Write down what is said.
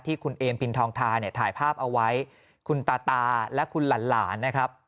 คุณเอมพินทองทาเนี่ยถ่ายภาพเอาไว้คุณตาตาและคุณหลานนะครับ